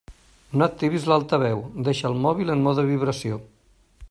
No activis l'altaveu, deixa el mòbil en mode vibració.